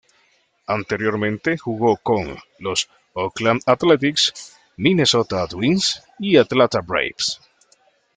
Anteriormente jugó con los Oakland Athletics, Minnesota Twins y Atlanta Braves.